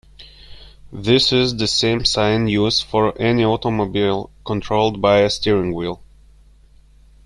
This is the same sign used for any automobile controlled by a steering wheel.